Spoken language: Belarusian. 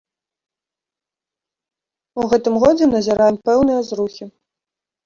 У гэтым годзе назіраем пэўныя зрухі.